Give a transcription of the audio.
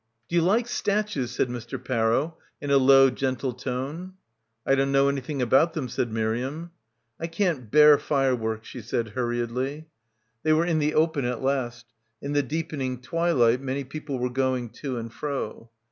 "Do you like statues?" said Mr. Parrow in a low gentle tone. "I don't know anything about them," said Miriam. "I can't bear fireworks," she said hurriedly. They were in the open at last. In the deepen ing twilight many people were going to and fro.